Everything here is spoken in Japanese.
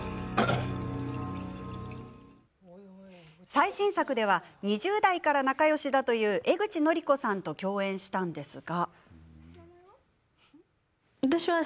最新作では２０代から仲よしだという江口のりこさんと共演したんですが。